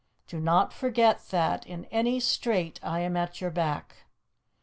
Do not forget that, in any strait, I am at your back.